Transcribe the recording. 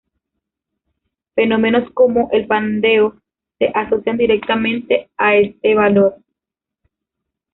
Fenómenos como el pandeo se asocian directamente a este valor.